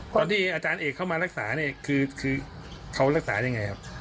ตอนที่อาจารย์เอกเข้ามารักษาเนี่ยคือเขารักษายังไงครับ